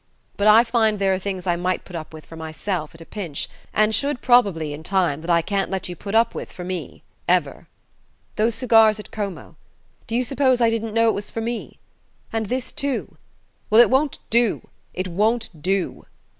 But I find there are things I might put up with for myself, at a pinch and should, probably, in time that I can't let you put up with for me... ever.... Those cigars at Como: do you suppose I didn't know it was for me? And this too? Well, it won't do... it won't do...."